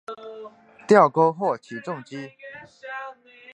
吊钩或起重机。